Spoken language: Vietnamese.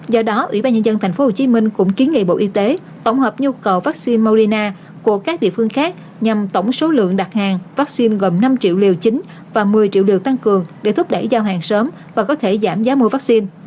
do đó ủy ban nhân dân tp hcm cũng kiến nghị bộ y tế tổng hợp nhu cầu vaccine morina của các địa phương khác nhằm tổng số lượng đặt hàng vaccine gần năm triệu liều chính và một mươi triệu liều tăng cường để thúc đẩy giao hàng sớm và có thể giảm giá mua vaccine